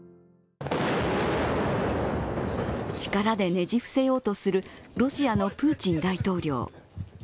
力でねじ伏せようとするロシアのプーチン大統領。